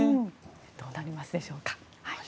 どうなりますでしょうか。